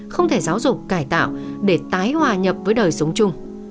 không thể giáo dục cải tạo để tái hòa nhập với đời sống chung